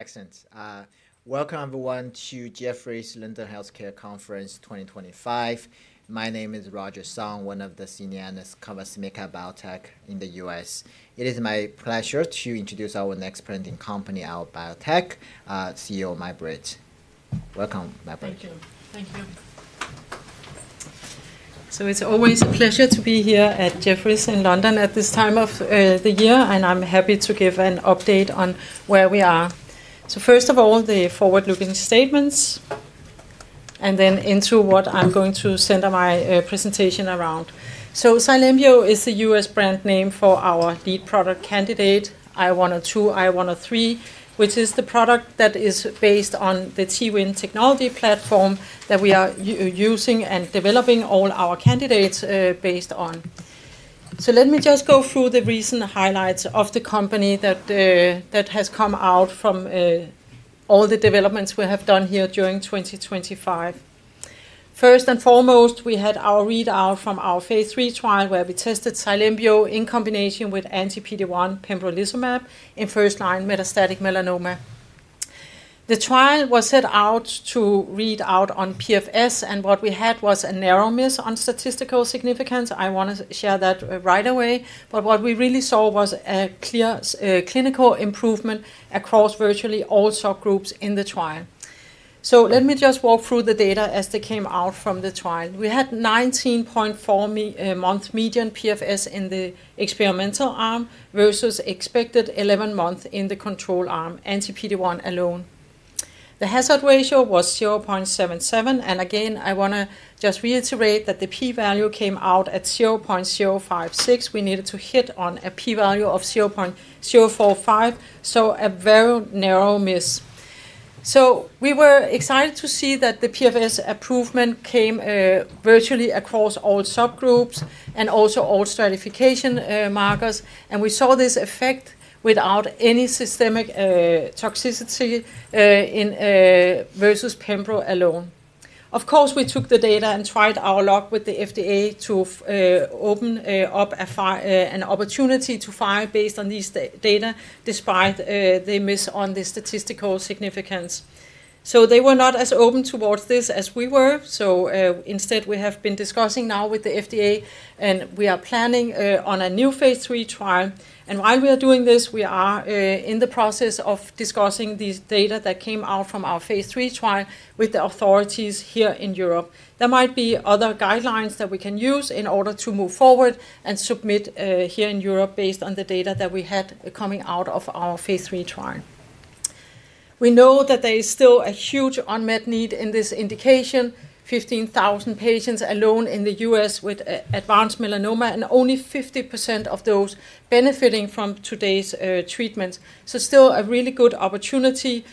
Excellent. Welcome, everyone, to Jefferies Linton Healthcare Conference 2025. My name is Roger Song, one of the senior analysts medical biotech in the U.S. It is my pleasure to introduce our next presenting company, IO Biotech, CEO Mai-Britt. Welcome, Mai-Britt. Thank you. Thank you. It's always a pleasure to be here at Jefferies in London at this time of the year, and I'm happy to give an update on where we are. First of all, the forward-looking statements, and then into what I'm going to center my presentation around. Cylembio is the U.S. brand name for our lead product candidate, IO-102, IO-103, which is the product that is based on the T-win platform that we are using and developing all our candidates based on. Let me just go through the recent highlights of the company that have come out from all the developments we have done here during 2025. First and foremost, we had our readout from our phase III trial where we tested Cylembio in combination with anti-PD-1 pembrolizumab in first-line metastatic melanoma. The trial was set out to read out on PFS, and what we had was a narrow miss on statistical significance. I want to share that right away. What we really saw was a clear clinical improvement across virtually all subgroups in the trial. Let me just walk through the data as they came out from the trial. We had 19.4 month median PFS in the experimental arm versus expected 11 month in the control arm, anti-PD-1 alone. The hazard ratio was 0.77. I want to just reiterate that the p-value came out at 0.056. We needed to hit on a p-value of 0.045, so a very narrow miss. We were excited to see that the PFS improvement came virtually across all subgroups and also all stratification markers. We saw this effect without any systemic toxicity versus pembro alone. Of course, we took the data and tried our luck with the FDA to open up an opportunity to file based on these data, despite they miss on the statistical significance. They were not as open towards this as we were. Instead, we have been discussing now with the FDA, and we are planning on a new phase three trial. While we are doing this, we are in the process of discussing the data that came out from our phase III trial with the authorities here in Europe. There might be other guidelines that we can use in order to move forward and submit here in Europe based on the data that we had coming out of our phase III trial. We know that there is still a huge unmet need in this indication, 15,000 patients alone in the U.S. with advanced melanoma, and only 50% of those benefiting from today's treatment. Still a really good opportunity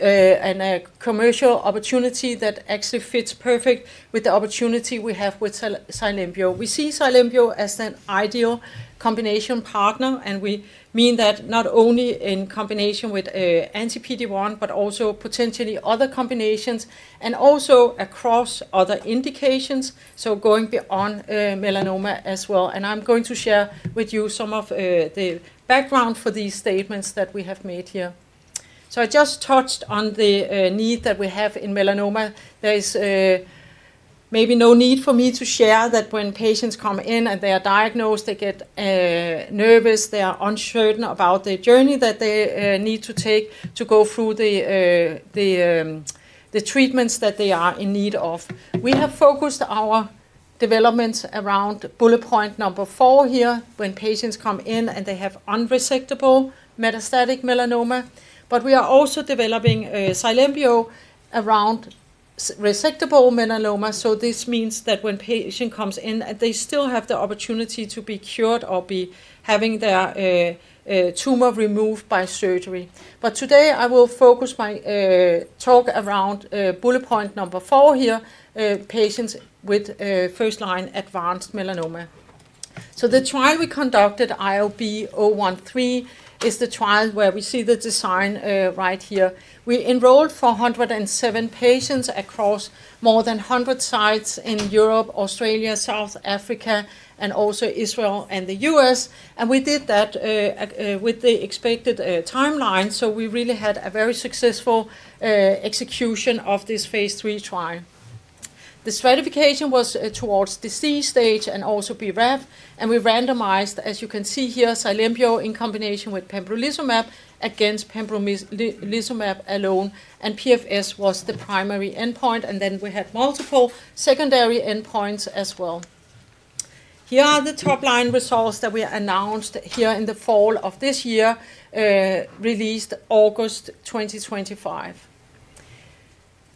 and a commercial opportunity that actually fits perfect with the opportunity we have with Cylembio. We see Cylembio as an ideal combination partner, and we mean that not only in combination with anti-PD-1, but also potentially other combinations and also across other indications, so going beyond melanoma as well. I'm going to share with you some of the background for these statements that we have made here. I just touched on the need that we have in melanoma. There is maybe no need for me to share that when patients come in and they are diagnosed, they get nervous, they are uncertain about the journey that they need to take to go through the treatments that they are in need of. We have focused our developments around bullet point number four here when patients come in and they have unresectable metastatic melanoma. We are also developing Cylembio around resectable melanoma. This means that when a patient comes in, they still have the opportunity to be cured or be having their tumor removed by surgery. Today, I will focus my talk around bullet point number four here, patients with first-line advanced melanoma. The trial we conducted, IOB-013, is the trial where we see the design right here. We enrolled 407 patients across more than 100 sites in Europe, Australia, South Africa, and also Israel and the U.S. We did that with the expected timeline. We really had a very successful execution of this phase III trial. The stratification was towards disease stage and also BRAF. We randomized, as you can see here, Cylembio in combination with pembrolizumab against pembrolizumab alone. PFS was the primary endpoint. We had multiple secondary endpoints as well. Here are the top-line results that we announced here in the fall of this year, released August 2025.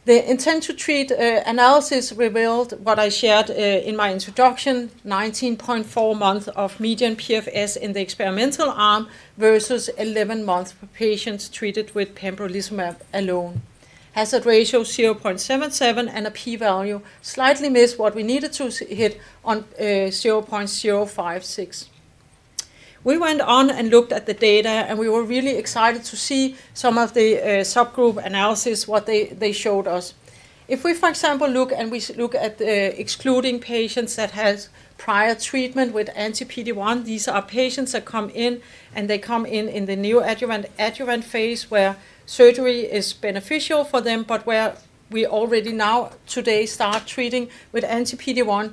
The intent to treat analysis revealed what I shared in my introduction, 19.4 months of median PFS in the experimental arm versus 11 months for patients treated with pembrolizumab alone. Hazard ratio 0.77 and a p-value slightly missed what we needed to hit on 0.056. We went on and looked at the data, and we were really excited to see some of the subgroup analysis, what they showed us. If we, for example, look and we look at excluding patients that had prior treatment with anti-PD-1, these are patients that come in, and they come in in the neoadjuvant-adjuvant phase where surgery is beneficial for them, but where we already now today start treating with anti-PD-1.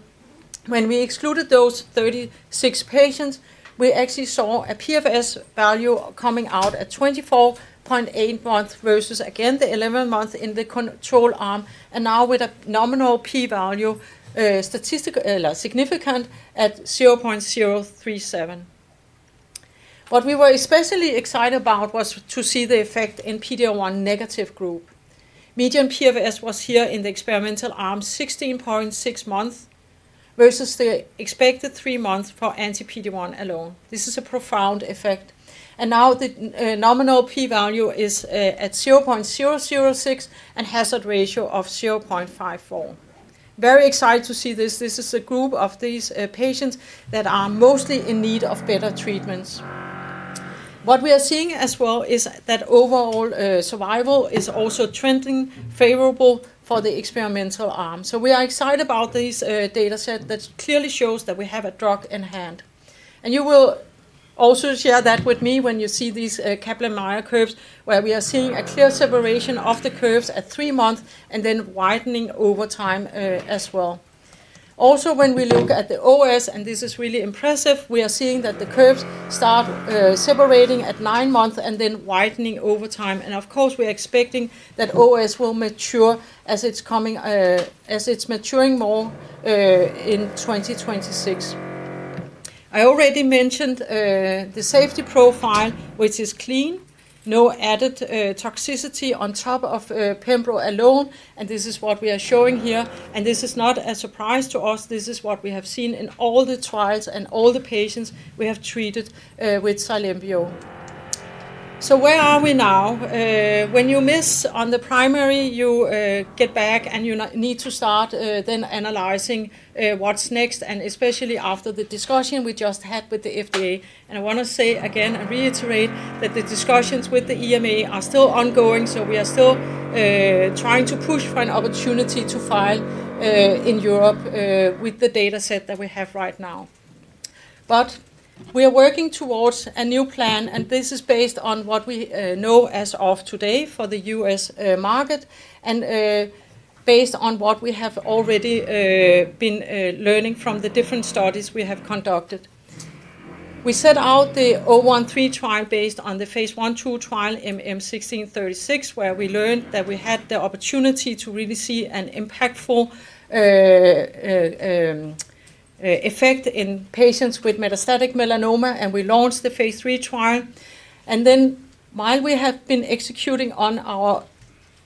When we excluded those 36 patients, we actually saw a PFS value coming out at 24.8 months versus, again, the 11 months in the control arm, and now with a nominal p-value significant at 0.037. What we were especially excited about was to see the effect in PD-1 negative group. Median PFS was here in the experimental arm, 16.6 months versus the expected three months for anti-PD-1 alone. This is a profound effect. The nominal p-value is at 0.006 and hazard ratio of 0.54. Very excited to see this. This is a group of these patients that are mostly in need of better treatments. What we are seeing as well is that overall survival is also trending favorable for the experimental arm. We are excited about this data set that clearly shows that we have a drug in hand. You will also share that with me when you see these Kaplan-Meier curves, where we are seeing a clear separation of the curves at three months and then widening over time as well. Also, when we look at the OS, and this is really impressive, we are seeing that the curves start separating at nine months and then widening over time. Of course, we are expecting that OS will mature as it's maturing more in 2026. I already mentioned the safety profile, which is clean, no added toxicity on top of pembro alone. This is what we are showing here. This is not a surprise to us. This is what we have seen in all the trials and all the patients we have treated with Cylembio. Where are we now? When you miss on the primary, you get back and you need to start then analyzing what's next, especially after the discussion we just had with the FDA. I want to say again and reiterate that the discussions with the EMA are still ongoing. We are still trying to push for an opportunity to file in Europe with the data set that we have right now. But, we are working towards a new plan, and this is based on what we know as of today for the U.S. market and based on what we have already been learning from the different studies we have conducted. We set out the 013 trial based on the phase I phase II trial MM1636, where we learned that we had the opportunity to really see an impactful effect in patients with metastatic melanoma, and we launched the phase III trial. While we have been executing on our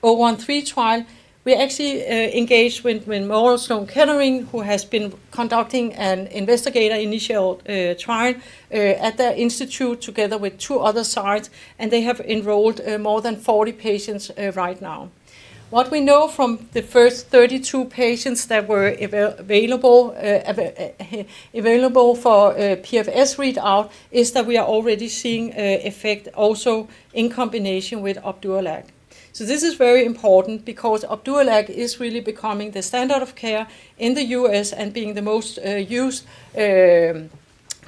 013 trial, we actually engaged with Memorial Sloan Kettering Cancer Center, who has been conducting an investigator-initiated trial at the institute together with two other sites, and they have enrolled more than 40 patients right now. What we know from the first 32 patients that were available for PFS readout is that we are already seeing effect also in combination with OPDIVO. This is very important because OPDIVO is really becoming the standard of care in the U.S. and being the most used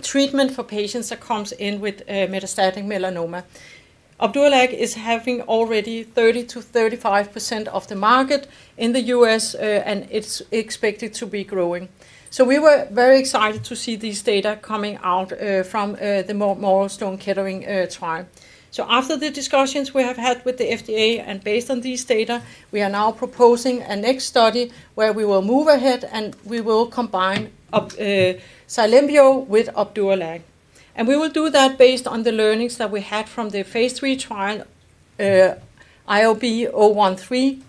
treatment for patients that come in with metastatic melanoma. OPDIVO is having already 30%-35% of the market in the U.S., and it's expected to be growing. We were very excited to see these data coming out from the Memorial Sloan Kettering trial. After the discussions we have had with the FDA and based on these data, we are now proposing a next study where we will move ahead and we will combine Cylembio with OPDIVO. We will do that based on the learnings that we had from the phase III trial IOB-013,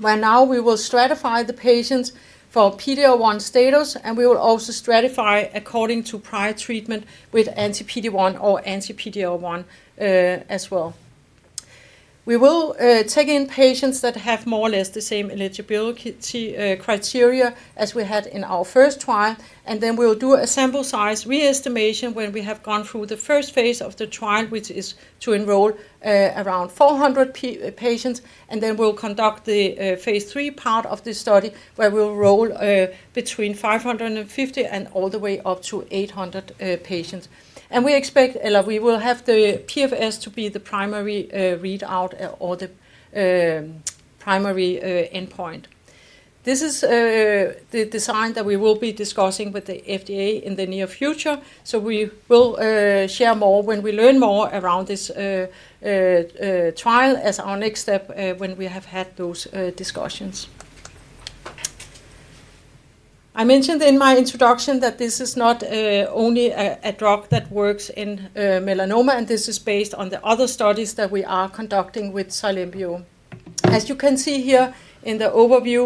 where now we will stratify the patients for PD-1 status, and we will also stratify according to prior treatment with anti-PD-1 or anti-PD-1 as well. We will take in patients that have more or less the same eligibility criteria as we had in our first trial, and then we will do a sample size re-estimation when we have gone through the first phase of the trial, which is to enroll around 400 patients. We will conduct the phase III part of the study where we will roll between 550 and all the way up to 800 patients. We expect we will have the PFS to be the primary readout or the primary endpoint. This is the design that we will be discussing with the FDA in the near future. We will share more when we learn more around this trial as our next step when we have had those discussions. I mentioned in my introduction that this is not only a drug that works in melanoma, and this is based on the other studies that we are conducting with Cylembio. As you can see here in the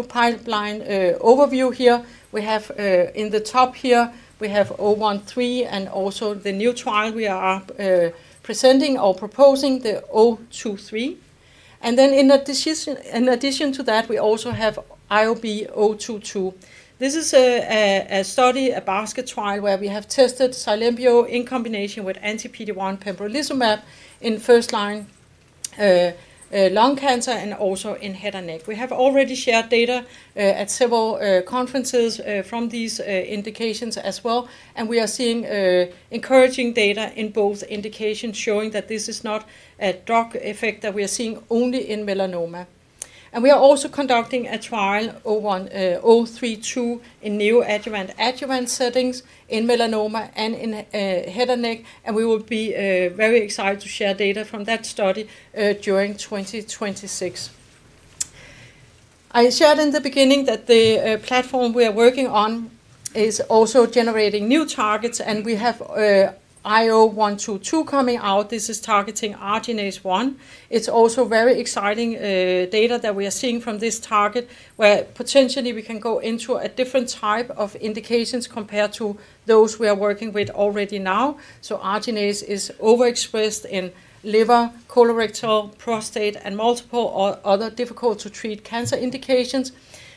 pipeline overview here, we have in the top here, we have IOB-013 and also the new trial we are presenting or proposing, the 023. In addition to that, we also have IOB-022. This is a study, a basket trial, where we have tested Cylembio in combination with anti-PD-1 pembrolizumab in first-line lung cancer and also in head and neck. We have already shared data at several conferences from these indications as well. We are seeing encouraging data in both indications showing that this is not a drug effect that we are seeing only in melanoma. We are also conducting a trial 032 in neoadjuvant-adjuvant settings in melanoma and in head and neck. We will be very excited to share data from that study during 2026. I shared in the beginning that the platform we are working on is also generating new targets, and we have IO-122 coming out. This is targeting arginase 1. It is also very exciting data that we are seeing from this target, where potentially we can go into a different type of indications compared to those we are working with already now. Arginase is overexpressed in liver, colorectal, prostate, and multiple other difficult-to-treat cancer indications.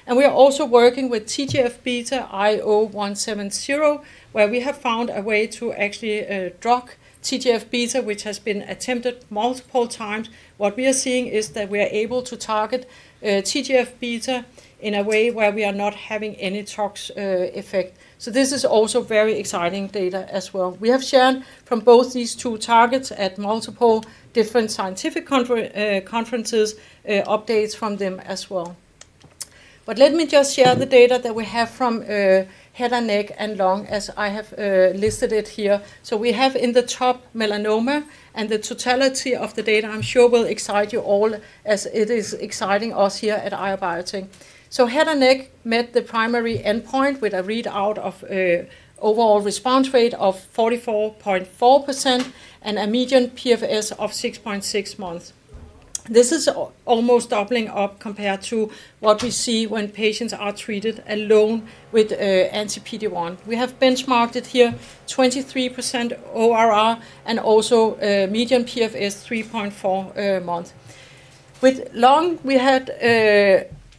We are also working with TGF-β IO-170, where we have found a way to actually drug TGF-β, which has been attempted multiple times. What we are seeing is that we are able to target TGF-β in a way where we are not having any tox effect. This is also very exciting data as well. We have shared from both these two targets at multiple different scientific conferences updates from them as well. Let me just share the data that we have from head and neck and lung, as I have listed it here. We have in the top melanoma and the totality of the data. I'm sure will excite you all as it is exciting us here at IO Biotech. Head and neck met the primary endpoint with a readout of overall response rate of 44.4% and a median PFS of 6.6 months. This is almost doubling up compared to what we see when patients are treated alone with anti-PD-1. We have benchmarked it here, 23% ORR and also median PFS 3.4 months. With lung, we had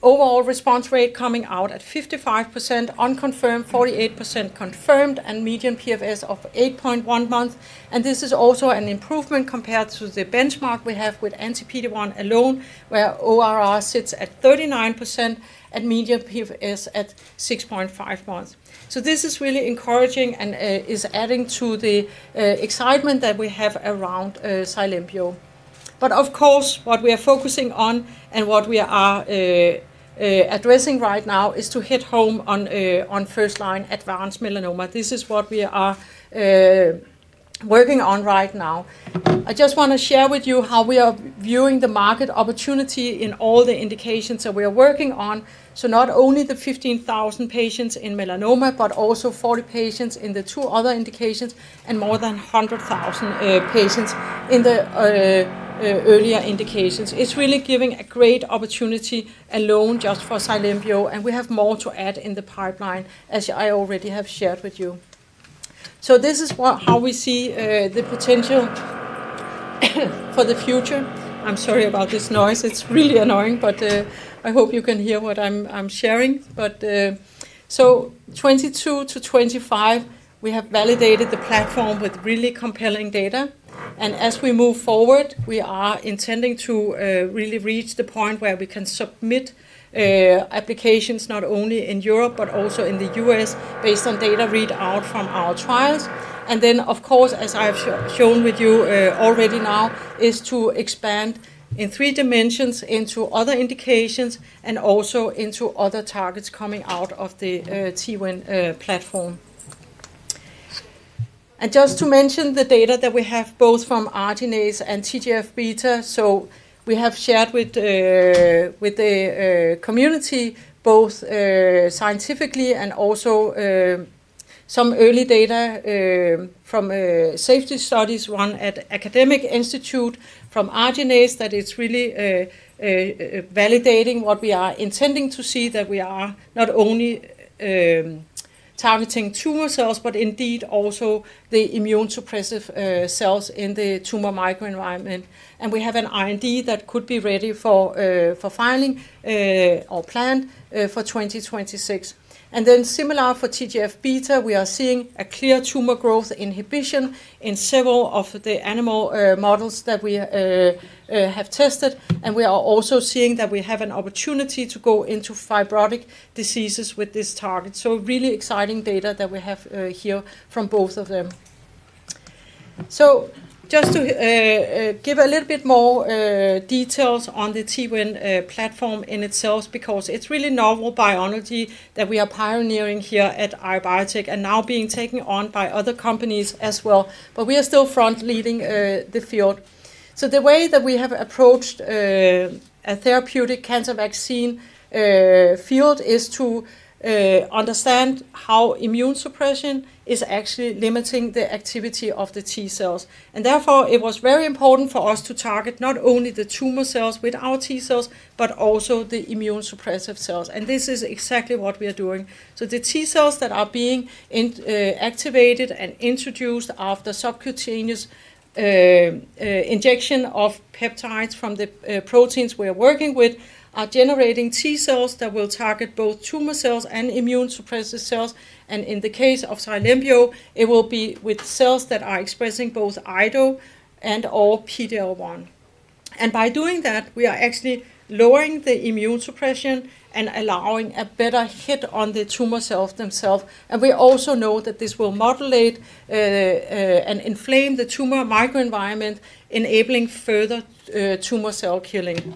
overall response rate coming out at 55% unconfirmed, 48% confirmed, and median PFS of 8.1 months. This is also an improvement compared to the benchmark we have with anti-PD-1 alone, where ORR sits at 39% and median PFS at 6.5 months. This is really encouraging and is adding to the excitement that we have around Cylembio. But of course, what we are focusing on and what we are addressing right now is to hit home on first-line advanced melanoma. This is what we are working on right now. I just want to share with you how we are viewing the market opportunity in all the indications that we are working on. So not only the 15,000 patients in melanoma, but also 40 patients in the two other indications and more than 100,000 patients in the earlier indications. It is really giving a great opportunity alone just for Cylembio, and we have more to add in the pipeline, as I already have shared with you. This is how we see the potential for the future. I'm sorry about this noise. It is really annoying, but I hope you can hear what I'm sharing. So 2022-2025, we have validated the platform with really compelling data. As we move forward, we are intending to really reach the point where we can submit applications not only in Europe, but also in the U.S. based on data readout from our trials. Of course, as I've shown with you already now, is to expand in three dimensions into other indications and also into other targets coming out of the T-win platform. Just to mention the data that we have both from arginase and TGF-β. We have shared with the community both scientifically and also some early data from safety studies run at academic institute from arginase that it's really validating what we are intending to see, that we are not only targeting tumor cells, but indeed also the immune suppressive cells in the tumor microenvironment. We have an IND that could be ready for filing or planned for 2026. Similar for TGF-β, we are seeing a clear tumor growth inhibition in several of the animal models that we have tested. We are also seeing that we have an opportunity to go into fibrotic diseases with this target. Really exciting data that we have here from both of them. Just to give a little bit more details on the T-win platform in itself, because it's really novel biology that we are pioneering here at IO Biotech and now being taken on by other companies as well. We are still front leading the field. The way that we have approached a therapeutic cancer vaccine field is to understand how immune suppression is actually limiting the activity of the T cells. Therefore, it was very important for us to target not only the tumor cells with our T cells, but also the immune suppressive cells. This is exactly what we are doing. The T cells that are being activated and introduced after subcutaneous injection of peptides from the proteins we are working with are generating T cells that will target both tumor cells and immune suppressive cells. In the case of Cylembio, it will be with cells that are expressing both IDO and PD-1. By doing that, we are actually lowering the immune suppression and allowing a better hit on the tumor cells themselves. We also know that this will modulate and inflame the tumor microenvironment, enabling further tumor cell killing.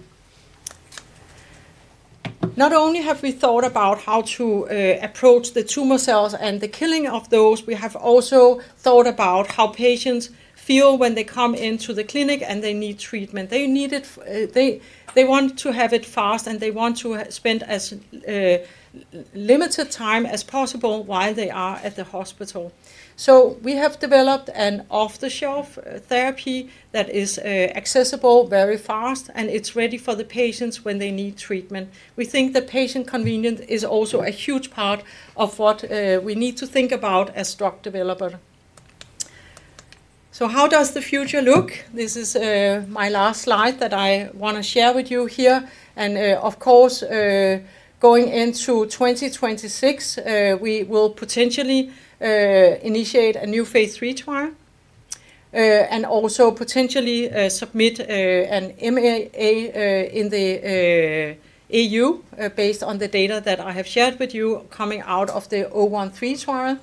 Not only have we thought about how to approach the tumor cells and the killing of those, we have also thought about how patients feel when they come into the clinic and they need treatment. They want to have it fast, and they want to spend as limited time as possible while they are at the hospital. We have developed an off-the-shelf therapy that is accessible very fast, and it is ready for the patients when they need treatment. We think the patient convenience is also a huge part of what we need to think about as drug developers. How does the future look? This is my last slide that I want to share with you here. Of course, going into 2026, we will potentially initiate a new phase three trial and also potentially submit an MAA in the EU based on the data that I have shared with you coming out of the 013 trial.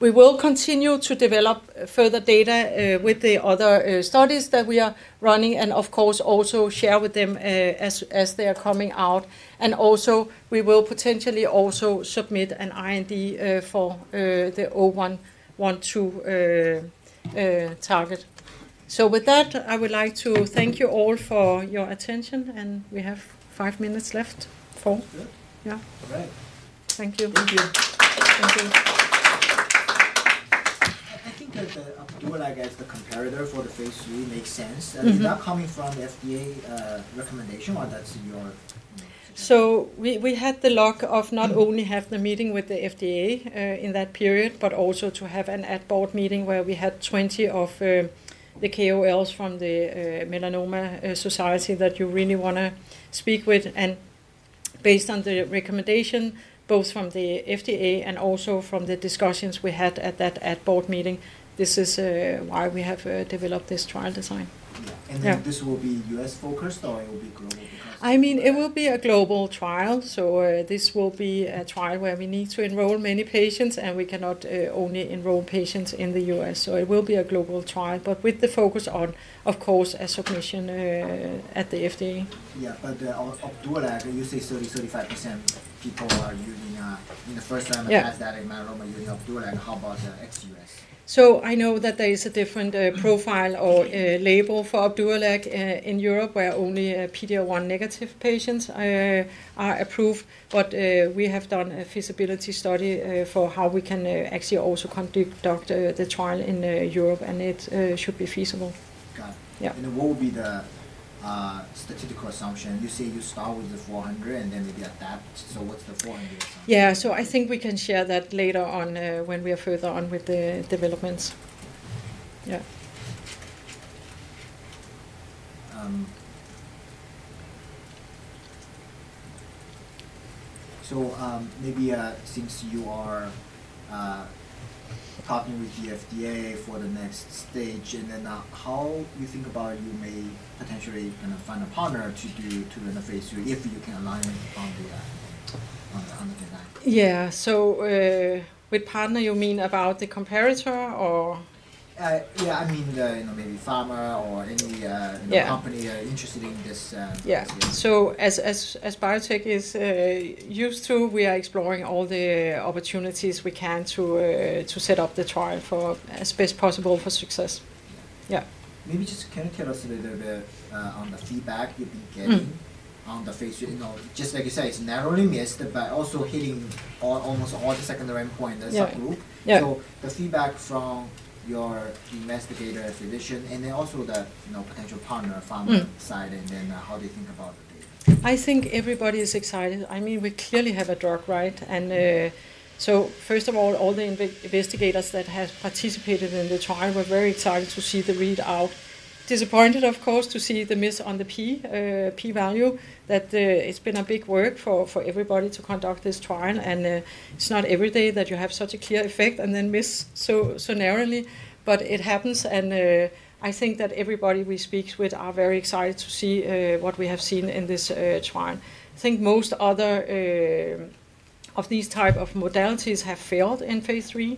We will continue to develop further data with the other studies that we are running and, of course, also share with them as they are coming out. And also we will potentially also submit an ID for the 0112 target. With that, I would like to thank you all for your attention, and we have five minutes left. Yeah. All right. Thank you. Thank you. Thank you. I think that OPDIVO as the comparator for the phase three makes sense. Is that coming from the FDA recommendation, or that's in your. So we had the luck of not only having the meeting with the FDA in that period, but also to have an ad board meeting where we had 20 of the KOLs from the Melanoma Society that you really want to speak with. Based on the recommendation, both from the FDA and also from the discussions we had at that ad board meeting, this is why we have developed this trial design. This will be U.S. focused, or it will be global? I mean, it will be a global trial. This will be a trial where we need to enroll many patients, and we cannot only enroll patients in the U.S. It will be a global trial, but with the focus on, of course, a submission at the FDA. Yeah, but OPDIVO, you say 30%-35% people are using in the first-line metastatic melanoma using OPDIVO. How about ex-U.S.? I know that there is a different profile or label for OPDIVO in Europe, where only PD-1 negative patients are approved. We have done a feasibility study for how we can actually also conduct the trial in Europe, and it should be feasible. Got it. What will be the statistical assumption? You say you start with the 400, and then maybe adapt. What's the 400? Yeah, so I think we can share that later on when we are further on with the developments. Yeah. Maybe since you are talking with the FDA for the next stage, how do you think about you may potentially kind of find a partner to do the phase III if you can align with OPDIVO on the design? Yeah. With partner, you mean about the comparator, or? Yeah, I mean maybe pharma or any company interested in this. Yeah. As biotech is used to, we are exploring all the opportunities we can to set up the trial as best possible for success. Yeah. Maybe just can you tell us a little bit on the feedback you've been getting on the phase III? Just like you said, it's narrowly missed, but also hitting almost all the secondary endpoints that's approved. The feedback from your investigator, physician, and then also the potential partner pharma side, and then how do you think about the data? I think everybody is excited. I mean, we clearly have a drug, right? First of all, all the investigators that have participated in the trial were very excited to see the readout. Disappointed, of course, to see the miss on the p-value. It has been a big work for everybody to conduct this trial. It is not every day that you have such a clear effect and then miss so narrowly. It happens. I think that everybody we speak with are very excited to see what we have seen in this trial. I think most other of these types of modalities have failed in phase three.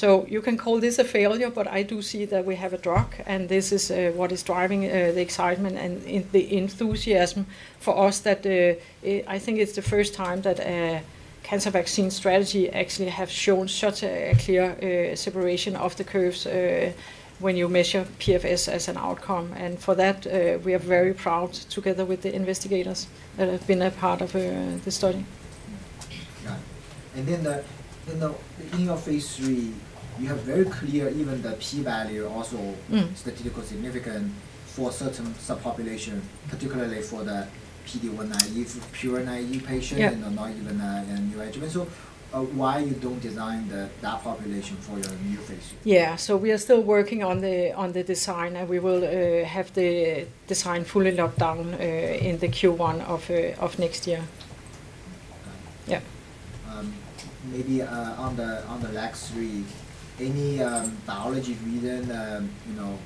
You can call this a failure, but I do see that we have a drug, and this is what is driving the excitement and the enthusiasm for us that I think it's the first time that a cancer vaccine strategy actually has shown such a clear separation of the curves when you measure PFS as an outcome. For that, we are very proud together with the investigators that have been a part of the study. Got it. In your phase three, you have very clear, even the p-value also statistical significant for certain subpopulation, particularly for the PD-1 negative pure NIE patient and not even a neoadjuvant. Why do you not design that population for your new phase III? Yeah. We are still working on the design, and we will have the design fully locked down in the Q1 of next year. Yeah. Maybe on the LAG-3, any biology reason IO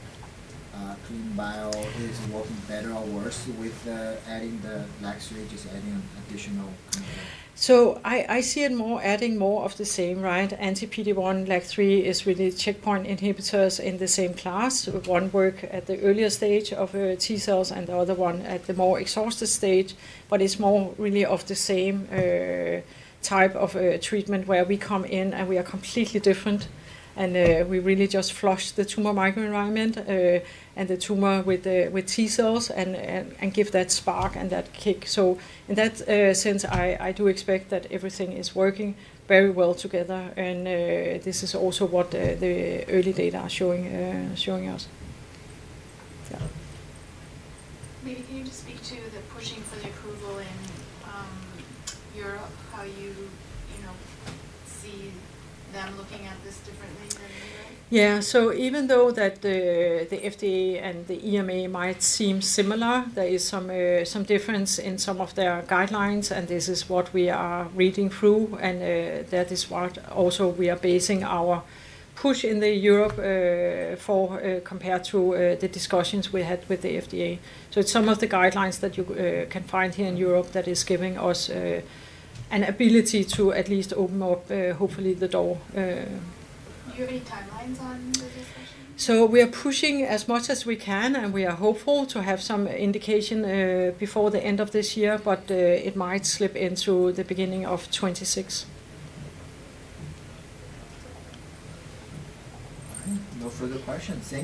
Biotech is working better or worse with adding the LAG-3, just adding additional? I see it adding more of the same, right? Anti-PD-1, LAG-3 is really checkpoint inhibitors in the same class. One works at the earlier stage of T cells and the other one at the more exhausted stage. It is more really of the same type of treatment where we come in and we are completely different. We really just flush the tumor microenvironment and the tumor with T cells and give that spark and that kick. In that sense, I do expect that everything is working very well together. This is also what the early data are showing us. Yeah. Maybe can you just speak to the pushing for the approval in Europe, how you see them looking at this differently than in Europe? Yeah. Even though the FDA and the EMA might seem similar, there is some difference in some of their guidelines, and this is what we are reading through. That is what also we are basing our push in Europe for compared to the discussions we had with the FDA. It is some of the guidelines that you can find here in Europe that is giving us an ability to at least open up, hopefully, the door. Do you have any timelines on this? We are pushing as much as we can, and we are hopeful to have some indication before the end of this year, but it might slip into the beginning of 2026. No further questions.